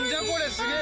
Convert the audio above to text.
すげえ。